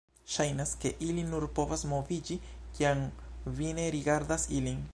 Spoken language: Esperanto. Ŝajnas ke ili... nur povas moviĝi, kiam vi ne rigardas ilin.